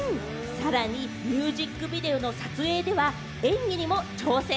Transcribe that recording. さらにミュージックビデオの撮影では演技にも挑戦。